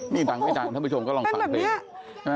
นี่ดังไม่ดังท่านผู้ชมก็ลองฟังเพลง